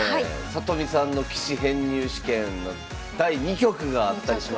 里見さんの棋士編入試験の第２局があったりしますけれども。